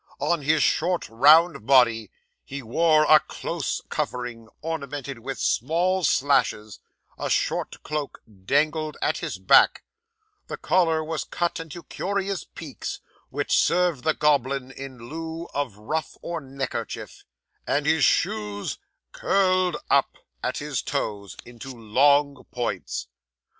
On his short, round body, he wore a close covering, ornamented with small slashes; a short cloak dangled at his back; the collar was cut into curious peaks, which served the goblin in lieu of ruff or neckerchief; and his shoes curled up at his toes into long points.